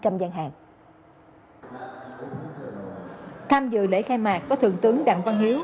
tham dự lễ khai mạc có thượng tướng đặng văn hiếu